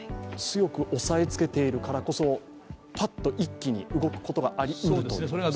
強く押さえつけているからこそぱっと一気に動くことがありうると？